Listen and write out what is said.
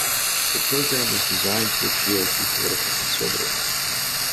The program was designed to appeal to political conservatives.